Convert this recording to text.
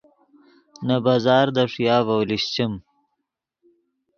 نے بازار دے ݰویا ڤؤ لیشچیم